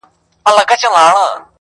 زه اومېدواریم په تیارو کي چي ډېوې لټوم.